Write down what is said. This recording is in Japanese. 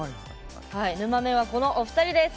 ぬまメンはこのお二人です。